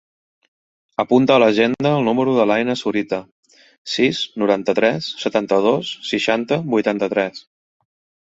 Apunta a l'agenda el número de l'Aïna Zurita: sis, noranta-tres, setanta-dos, seixanta, vuitanta-tres.